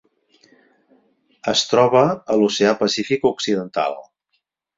Es troba a l'Oceà Pacífic occidental.